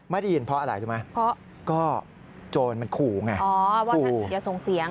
ไม่ได้ยินเพราะอะไรรู้ไหมก็โจรมันขู่ไง